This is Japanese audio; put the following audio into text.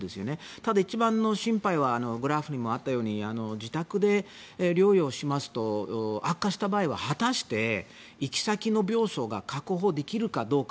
ただ、一番の心配はグラフにもあったように自宅で療養しますと悪化した場合は果たして、行き先の病床が確保できるかどうか。